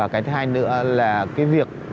cái thứ hai nữa là việc